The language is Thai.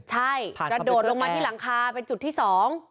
ใช่กระโดดลงมาที่หลังคาเป็นจุดที่สอง